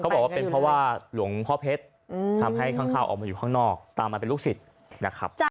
บอกว่าเป็นเพราะว่าหลวงพ่อเพชรทำให้ข้างออกมาอยู่ข้างนอกตามมาเป็นลูกศิษย์นะครับ